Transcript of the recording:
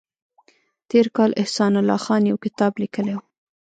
تېر کال احسان الله خان یو کتاب لیکلی و